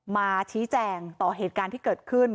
มาชี้แจงต่อเหตุการณ์ที่เกิดขึ้น